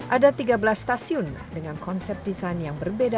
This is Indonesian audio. ada tiga belas stasiun dengan konsep desain yang berbeda